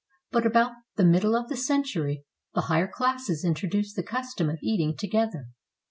But about the middle of the century, the higher classes introduced the custom of eating to gether.